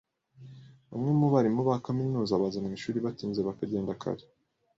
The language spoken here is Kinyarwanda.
Bamwe mu barimu ba kaminuza baza mwishuri batinze bakagenda kare.